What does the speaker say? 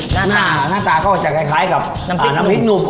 หน้าตาก็จะคล้ายกับนำพริกหนุ่มอ่าน้ำพริกหนุ่ม